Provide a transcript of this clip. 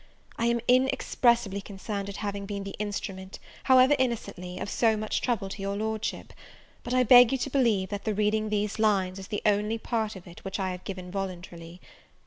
"I am inexpressibly concerned at having been the instrument, however innocently, of so much trouble to your Lordship; but I beg you to believe, that the reading these lines is the only part of it which I have given voluntarily.